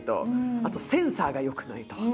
あとセンサーが良くないと。